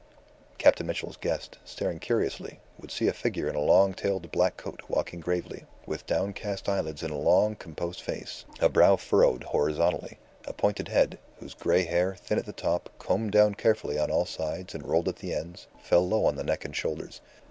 Captain Mitchell's guest, staring curiously, would see a figure in a long tailed black coat walking gravely, with downcast eyelids in a long, composed face, a brow furrowed horizontally, a pointed head, whose grey hair, thin at the top, combed down carefully on all sides and rolled at the ends, fell low on the neck and shoulders.